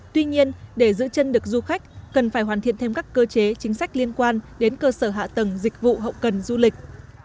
tuy nhiên để giữ chân được du khách cần phải hoàn thiện thêm các cơ chế chính sách liên quan đến cơ sở hạ tầng dịch vụ hậu cần du lịch